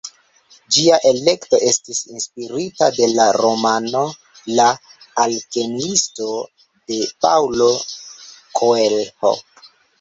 Ĝia elekto estis inspirita de la romano "La alkemiisto" de Paulo Coelho.